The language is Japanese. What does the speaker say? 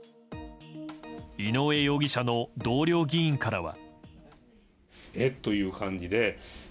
井上容疑者の同僚議員からは。